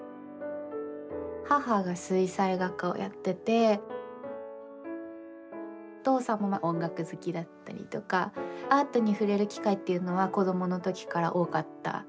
母が水彩画家をやっててお父さんも音楽好きだったりとかアートに触れる機会っていうのは子供の時から多かった。